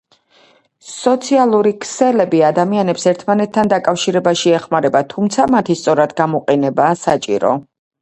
სოციალური ქსელები ადამიანებს ერთმანეთთან დაკავშირებაში ეხმარება, თუმცა მათი სწორად გამოყენებაა საჭირო.